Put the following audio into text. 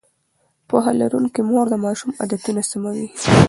پوهه لرونکې مور د ماشوم عادتونه سموي.